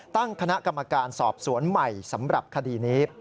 ตั้งคณะกรรมการสอบสวนใหม่สำหรับคดีนี้